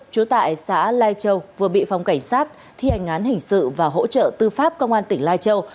trú tại xã lai châu vừa bị phòng cảnh sát thi hành án hình sự và hỗ trợ tư pháp công an tỉnh lai châu